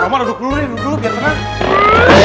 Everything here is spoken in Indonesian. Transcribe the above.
romang duduk dulu nih duduk dulu biar tenang